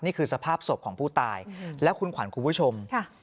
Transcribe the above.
นี่คือสภาพศพของผู้ตายและคุณขวัญคุณผู้ชม